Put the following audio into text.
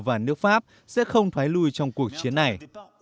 và nước pháp sẽ không thoái lùi trong cuộc chiến này